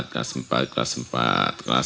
kelas empat kelas empat kelas